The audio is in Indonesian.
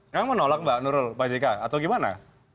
memang menolak pak jk atau bagaimana